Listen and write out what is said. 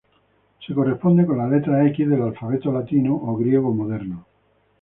Se corresponde con la letra X del alfabeto latino o griego moderno.